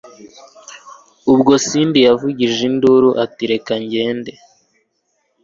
ubwo cindy yavugije induru ati 'reka ngende